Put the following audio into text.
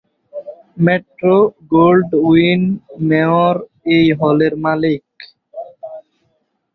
Metro-Goldwyn-Mayer এই হলের মালিক।